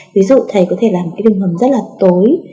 ví dụ thầy có thể làm những cái đường hầm rất là tối